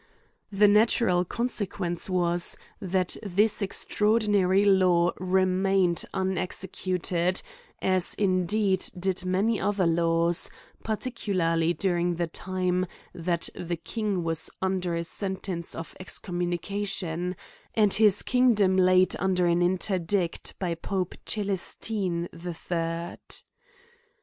The natural conse quence was, that this extraodinary law remained tr6: A COMMENTARY ON unexecuted, as indeed did many other laws, par*' ticularly during the time that the king was un der a sentence of excommunication, and his king dom laid under an interdict by Pope C destine the 3d.